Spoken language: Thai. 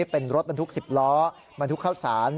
เป็นรถบรรทุก๑๐ล้อบรรทุกข้าวสาร